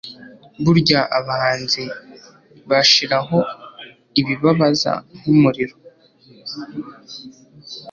burya abahanzi bashiraho ibibabaza nkumuriro